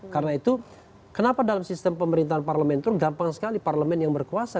karena itu kenapa dalam sistem pemerintahan parlementer gampang sekali parlement yang berkuasa